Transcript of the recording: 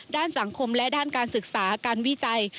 ด้านสังคมและด้านการศึกษาการวิจัย